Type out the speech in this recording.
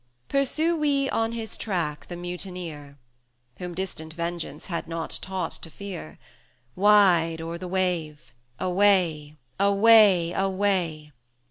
Pursue we on his track the mutineer, Whom distant vengeance had not taught to fear. Wide o'er the wave away! away! away!